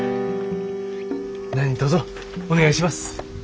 何とぞお願いします。